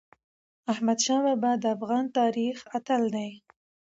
احمدشاه بابا د افغان تاریخ اتل دی.